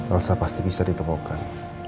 elsa pasti bisa ditemukan